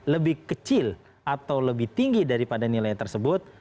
lebih kecil atau lebih tinggi daripada nilai tersebut